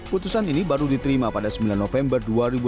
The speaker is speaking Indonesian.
putusan ini baru diterima pada sembilan november dua ribu enam belas